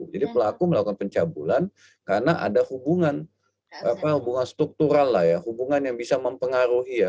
jadi pelaku melakukan pencabulan karena ada hubungan hubungan struktural lah ya hubungan yang bisa mempengaruhi ya